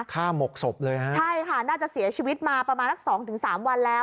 ฆ่าหมกศพเลยครับใช่ค่ะน่าจะเสียชีวิตมาประมาณ๒๓วันแล้ว